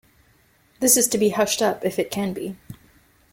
This is to be hushed up if it can be.